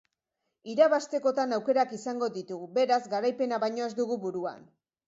Irabaztekotan aukerak izango ditugu, beraz garaipena baino ez dugu buruan.